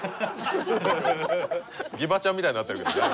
ギバちゃんみたいになってるけどね。